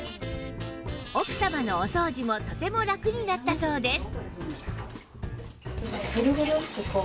奥様のお掃除もとてもラクになったそうです